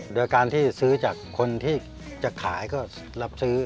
โดยการที่ซื้อจากคนที่จะขายก็รับซื้อ